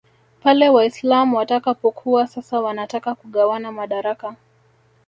pale Waislam watakapokuwa sasa wanataka kugawana madaraka